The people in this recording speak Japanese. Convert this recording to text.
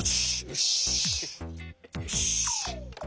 よし。